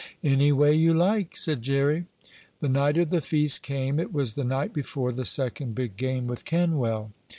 "Any way you like," said Jerry. The night of the feast came. It was the night before the second big game with Kenwell.